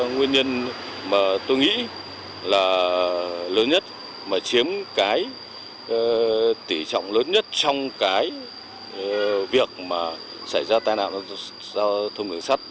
nguyên nhân mà tôi nghĩ là lớn nhất mà chiếm cái tỉ trọng lớn nhất trong cái việc mà xảy ra tai nạn giao thông đường sắt